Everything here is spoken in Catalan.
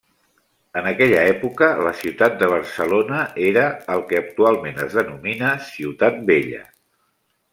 En aquella època la ciutat de Barcelona era el que actualment es denomina Ciutat Vella.